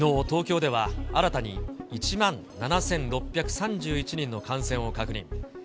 東京では新たに１万７６３１人の感染を確認。